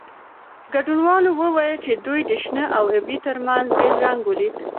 ګډونوالو وویل چې دوی د شنه او ابي ترمنځ بېل رنګ ولید.